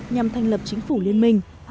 nhằm thành lập chính phủ liên minh